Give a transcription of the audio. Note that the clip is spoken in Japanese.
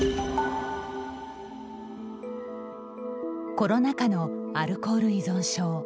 コロナ禍のアルコール依存症。